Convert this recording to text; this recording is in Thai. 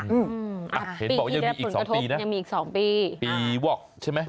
ปีอีกแล้วปุ่นกระทบยังมีอีก๒ปีนะปีวอกใช่ไหม